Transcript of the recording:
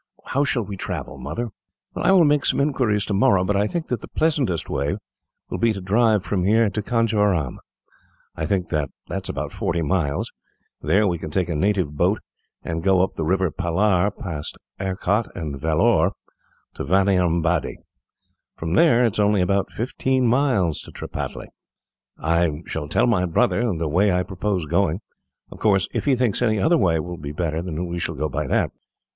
"How shall we travel, Mother?" "I will make some inquiries tomorrow, but I think that the pleasantest way will be to drive from here to Conjeveram. I think that is about forty miles. There we can take a native boat, and go up the river Palar, past Arcot and Vellore, to Vaniambaddy. From there it is only about fifteen miles to Tripataly. "I shall tell my brother the way I propose going. Of course, if he thinks any other way will be better, we shall go by that."